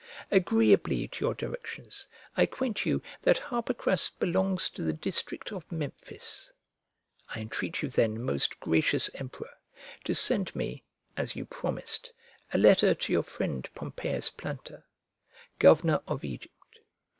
Agreeably to your directions, I acquaint you that Harpocras belongs to the district of Memphis. I entreat you then, most gracious Emperor, to send me, as you promised, a letter to your friend Pompeius Planta, governor of Egypt.